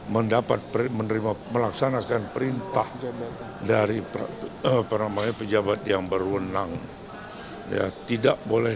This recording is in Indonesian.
mendapat menerima melaksanakan perintah dari apa namanya pejabat yang berwenang ya tidak boleh